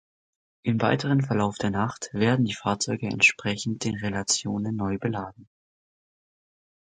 Im weiteren Verlauf der Nacht werden die Fahrzeuge entsprechend den Relationen neu beladen.